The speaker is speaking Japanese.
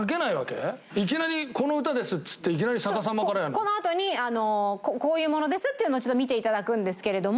このあとに「こういうものです」っていうのをちょっと見て頂くんですけれども。